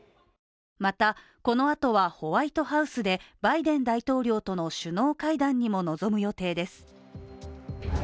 またこのあとはホワイトハウスでバイデン大統領との首脳会談にも臨む予定です